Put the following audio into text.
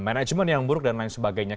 manajemen yang buruk dan lain sebagainya